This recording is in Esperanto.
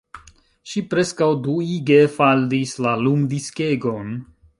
Ŝi preskaŭ duige faldis la lumdiskegon!